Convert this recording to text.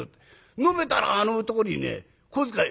飲めたらあの男にね小遣い。